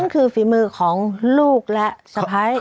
คือฝีมือของลูกและสะไพ่